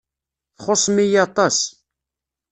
Txuṣṣem-iyi aṭas.